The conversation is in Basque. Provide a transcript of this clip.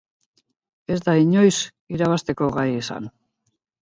Ez da inoiz irabazteko gai izan.